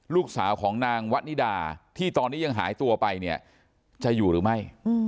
ลูกสาวของนางวะนิดาที่ตอนนี้ยังหายตัวไปเนี่ยจะอยู่หรือไม่